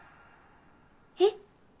えっ？